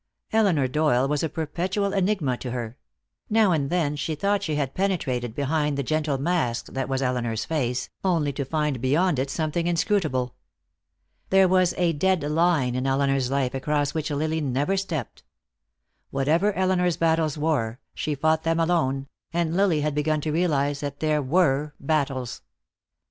Elinor Doyle was a perpetual enigma to her; now and then she thought she had penetrated behind the gentle mask that was Elinor's face, only to find beyond it something inscrutable. There was a dead line in Elinor's life across which Lily never stepped. Whatever Elinor's battles were, she fought them alone, and Lily had begun to realize that there were battles.